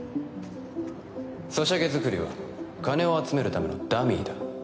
ソシャゲ作りは金を集めるためのダミーだ